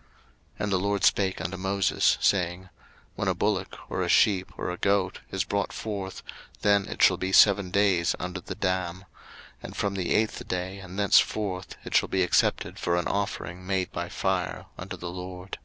03:022:026 And the LORD spake unto Moses, saying, 03:022:027 When a bullock, or a sheep, or a goat, is brought forth, then it shall be seven days under the dam; and from the eighth day and thenceforth it shall be accepted for an offering made by fire unto the LORD.